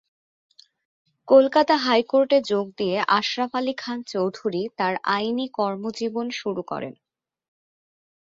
Kolkata high কোর্টে যোগ দিয়ে আশরাফ আলী খান চৌধুরী তার আইনি কর্মজীবন শুরু করেন।